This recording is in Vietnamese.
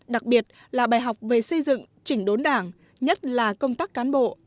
đặc biệt là bài học về xây dựng chỉnh đốn đảng nhất là công tác cán bộ